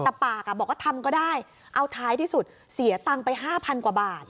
แต่ปากบอกว่าทำก็ได้เอาท้ายที่สุดเสียตังค์ไป๕๐๐กว่าบาท